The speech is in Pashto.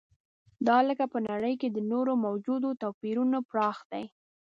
دا لکه په نړۍ کې د نورو موجودو توپیرونو پراخ دی.